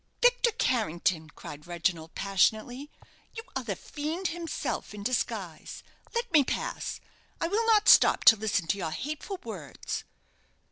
"Victor Carrington," cried Reginald, passionately, "you are the fiend himself, in disguise! Let me pass. I will not stop to listen to your hateful words."